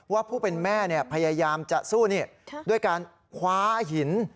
ผู้เป็นแม่พยายามจะสู้ด้วยการคว้าหิน